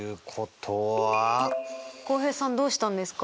浩平さんどうしたんですか？